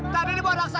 tadi dibawa raksasa